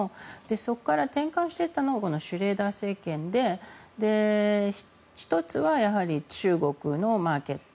そこから転換していったのがシュレーダー政権で１つは中国のマーケット。